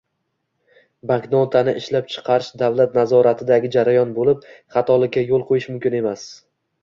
Banknotani ishlab chiqarish davlat nazoratidagi jarayon boʻlib, xatolikka yoʻl qoʻyish mumkin emas.